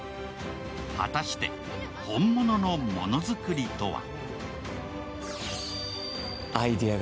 果たして本物のものづくりとは？